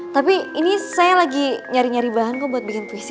tapi ini saya lagi nyari nyari bahan kok buat bikin puisi